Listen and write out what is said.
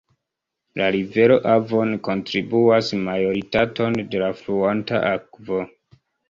La rivero Avon kontribuas majoritaton de la fluanta akvo.